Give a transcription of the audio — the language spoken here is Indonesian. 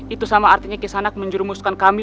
itu sama artinya kisanak menjurumuskan kami